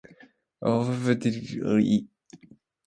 ｆｊｖｋｆ りう ｇｖｔｇ ヴ ｔｒ ヴぃ ｌ